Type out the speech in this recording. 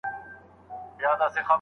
هغوی ډېر لږ قيمت ويلی دی.